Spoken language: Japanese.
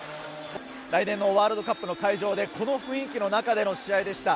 来年のワールドカップの会場でこの雰囲気の中での試合でした。